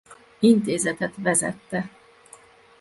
Intézetet vezette.